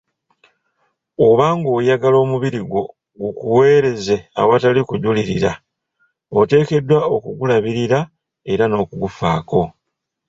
Obanga oyagala omubiri gwo gukuweereze awatali kujulirira, oteekeddwa okugulabirira era n'okugufaako.